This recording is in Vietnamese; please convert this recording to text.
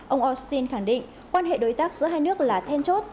ông austin khẳng định quan hệ đối tác giữa hai nước là then chốt